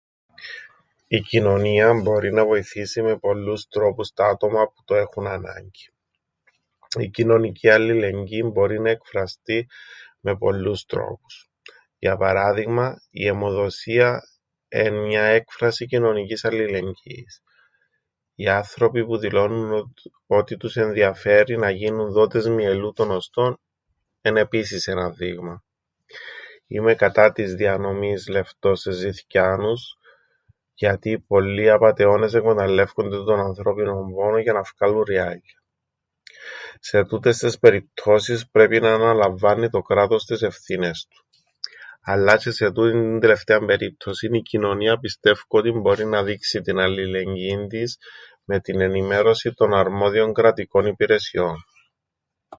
Η κοινωνία μπορεί να βοηθήσει με πολλούς τρόπους τα άτομα που το έχουν ανάγκην. Η κοινωνική αλληλεγγύη μπορεί να εκφραστεί με πολλούς τρόπους. Για παράδειγμαν η αιμοδοσία εν' μια έκφραση κοινωνικής αλληλεγγύης. Οι άνθρωποι που δηλώννουν ότι... ότι τους ενδιαφέρει να γίνουν δότες μυελού των οστών εν' επίσης έναν δείγμαν. Είμαι κατά της διανομής λεφτών σε ζηθκιάνους γιατί πολλοί απατεώνες εκμεταλλεύκουνται τον ανθρώπινον πόνον για να φκάλουν ριάλλια. Σε τούτες τες περιπτώσεις πρέπει να αναλαμβάννει το κράτος τες ευθύνες του. Αλλά τζ̆αι σε τούτην την τελευταίαν περίπτωσην η κοινωνία πιστεύκω ότι μπορεί να δείξει την αλληλεγγύην της με την ενημέρωσην των αρμόδιων κρατικών υπηρεσιών.